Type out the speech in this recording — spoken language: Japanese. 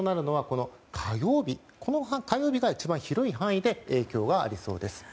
この火曜日が一番広い範囲で影響がありそうです。